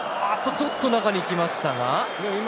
ちょっと中に来ました。